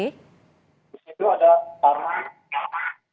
di situ ada parman